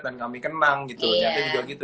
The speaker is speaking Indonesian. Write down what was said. dan kami kenang gitu niatnya juga gitu